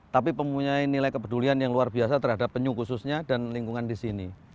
tapi mempunyai nilai kepedulian yang luar biasa terhadap penyu khususnya dan lingkungan di sini